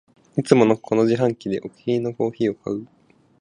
いつもこの自販機でお気に入りのコーヒーを買う